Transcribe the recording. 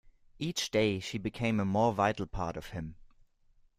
Each day she became a more vital part of him.